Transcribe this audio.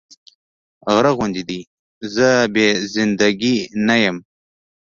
غره غوندې دې زه بې زنده ګي نه يم